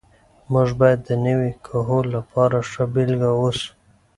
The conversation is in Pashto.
موږ باید د نوي کهول لپاره ښه بېلګه واوسو.